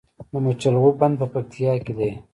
د مچالغو بند په پکتیا کې دی